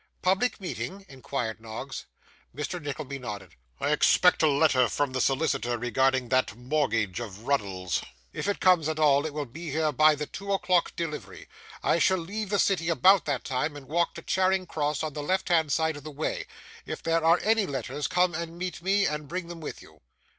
'Public meeting?' inquired Noggs. Mr. Nickleby nodded. 'I expect a letter from the solicitor respecting that mortgage of Ruddle's. If it comes at all, it will be here by the two o'clock delivery. I shall leave the city about that time and walk to Charing Cross on the left hand side of the way; if there are any letters, come and meet me, and bring them with you.